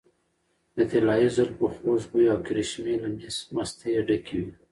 د طلايي زلفو خوږ بوي او کرشمې له مستۍ ډکې وې .